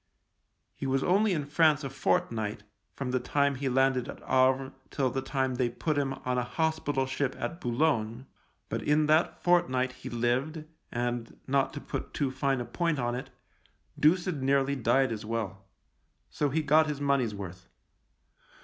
He was only in France a fortnight, from the time he landed at Havre till the time they put him on a hospital ship at Boulogne ; THE LIEUTENANT 5 but in that fortnight he lived and, not to put too fine a point on it, deuced nearly died as well ; so he got his money's worth.